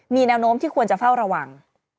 มีแนวโน้มที่ควรจะเฝ้าระวัง